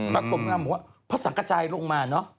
กรมนางบอกว่าพระสังกระจายลงมาเนอะ